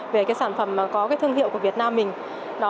về cái sản phẩm mà có cái thương hiệu của việt nam mình